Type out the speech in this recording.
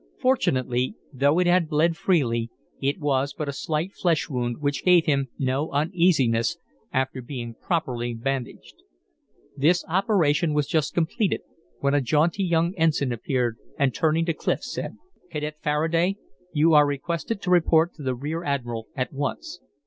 Fortunately, though it had bled freely, it was but a slight flesh wound, which gave him no uneasiness after being properly bandaged. This operation was just completed, when a jaunty young ensign appeared, and turning to Clif, said: "Cadet Faraday, you are requested to report to the rear admiral at once."